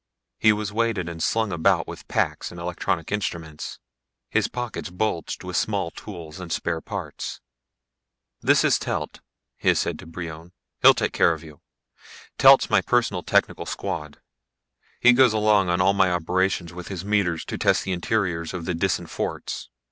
He was weighted and slung about with packs and electronic instruments. His pockets bulged with small tools and spare parts. "This is Telt," Hys said to Brion. "He'll take care of you. Telt's my personal technical squad. He goes along on all my operations with his meters to test the interiors of the Disan forts.